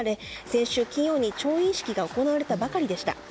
先週、金曜に調印式が行われたばかりでした。